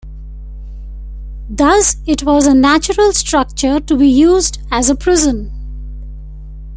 Thus it was a natural structure to be used as a prison.